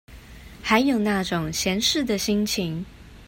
還有那種閒適的心情